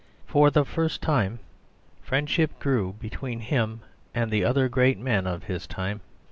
For the first time friendship grew between him and the other great men of his time.